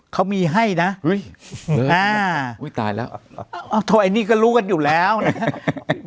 เขามีให้นะอุ้ยอุ้ยตายแล้วอ่าโถยนี่ก็รู้กันอยู่แล้วนะฮะ